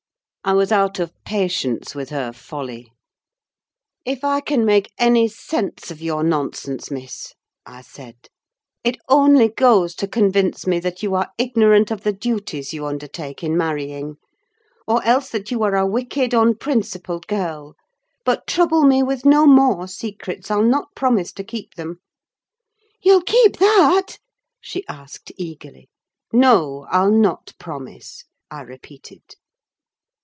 I was out of patience with her folly! "If I can make any sense of your nonsense, Miss," I said, "it only goes to convince me that you are ignorant of the duties you undertake in marrying; or else that you are a wicked, unprincipled girl. But trouble me with no more secrets: I'll not promise to keep them." "You'll keep that?" she asked, eagerly. "No, I'll not promise," I repeated.